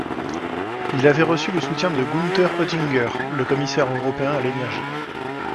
Il avait reçu le soutien de Günther Oettinger, le Commissaire européen à l'Énergie.